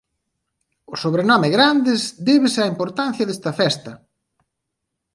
O sobrenome «Grandes» débese á importancia desta festa.